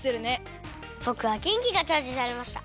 ぼくはげんきがチャージされました。